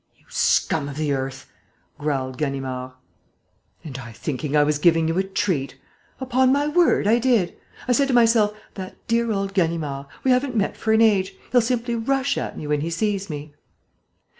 "You scum of the earth!" growled Ganimard. "And I thinking I was giving you a treat! Upon my word, I did. I said to myself, 'That dear old Ganimard! We haven't met for an age. He'll simply rush at me when he sees me!'"